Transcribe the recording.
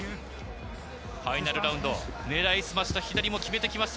ファイナルラウンド、狙いすました左も決めてきました、